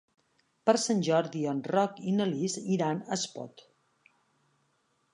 Per Sant Jordi en Roc i na Lis iran a Espot.